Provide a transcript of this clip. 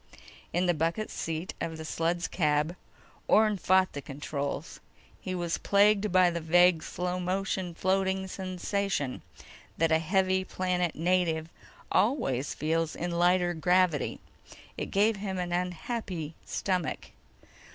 In the bucket seat of the sled's cab, Orne fought the controls. He was plagued by the vague slow motion floating sensation that a heavy planet native always feels in lighter gravity. It gave him an unhappy stomach.